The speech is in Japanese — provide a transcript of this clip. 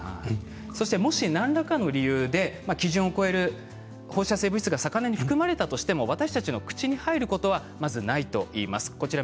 もし何らかの理由で基準を超える放射性物質が魚に含まれたとしても私たちの口に入ることはまずありません。